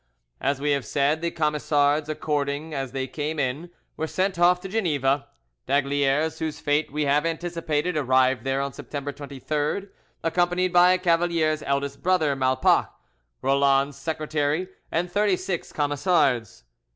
As we have said, the Camisards, according as they came in, were sent off to Geneva. D'Aygaliers, whose fate we have anticipated, arrived there on September 23rd, accompanied by Cavalier's eldest brother, Malpach, Roland's secretary, and thirty six Camisards.